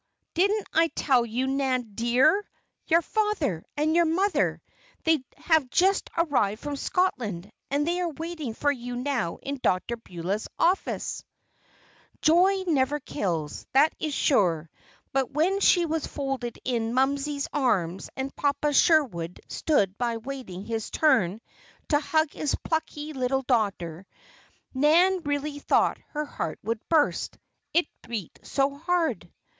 didn't I tell you? Nan dear! Your father! And your mother! They have just arrived from Scotland, and they are waiting for you now in Dr. Beulah's office!" Joy never kills that is sure. But when she was folded in "Momsey's" arms, and "Papa Sherwood" stood by waiting his turn to hug his plucky little daughter, Nan really thought her heart would burst, it beat so hard.